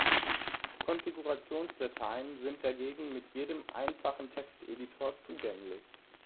Konfigurationsdateien sind dagegen mit jedem einfachen Texteditor zugänglich.